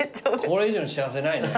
これ以上の幸せないね。